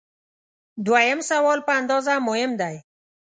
دوهم سوال په اندازه مهم دی.